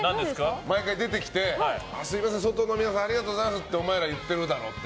毎回出てきて外の皆さんありがとうございますってお前ら言ってるだろって。